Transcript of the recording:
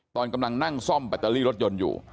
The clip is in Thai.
ตอนกำลังนั่งซ่อมแบตเตอรี่รถยนต์อยู่